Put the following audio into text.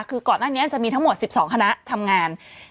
คือก่อนหน้านี้จะมีทั้งหมด๑๒คณะทำงาน